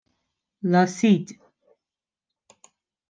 لاسید